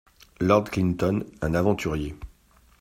Lord Clinton Un aventurier.